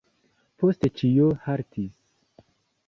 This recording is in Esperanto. Poste ĉio haltis.